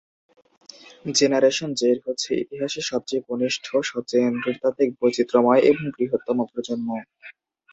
Generation Z হচ্ছে ইতিহাসে সবচেয়ে কনিষ্ঠ, সবচেয়ে নৃতাত্ত্বিক-বৈচিত্র্যময় এবং বৃহত্তম প্রজন্ম।